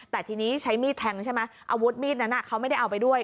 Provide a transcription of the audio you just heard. แต่ทีนี้ใช้มีดแทงใช่ไหมอาวุธมีดนั้นเขาไม่ได้เอาไปด้วย